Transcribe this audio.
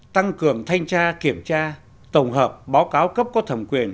tăng cường thanh tra kiểm tra tổng hợp báo cáo cấp có thẩm quyền